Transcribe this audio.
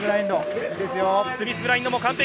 スミスグラインドも完璧。